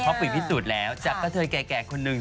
เพราะผิดพิสูจน์แล้วจากกระเทยแก่คนหนึ่ง